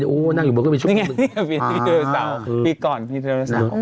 นี่ไงพี่โดยเต๋าปีก่อนพี่โดยเต๋า